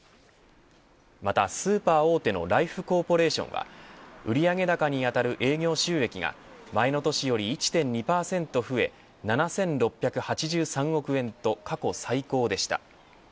またスーパー大手のライフコーポレーションは売り上げ高にあたる営業収益が前の年より１．２％増え７６８３億円と過去最高でした。